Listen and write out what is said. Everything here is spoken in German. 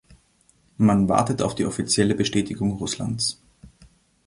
Man wartet auf die offizielle Bestätigung Russlands.